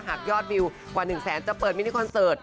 หักยอดวิวกว่านึกแสนจะเปิดมิน๑๙๘๘นี่ค่ะ